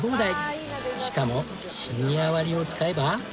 しかもシニア割を使えば。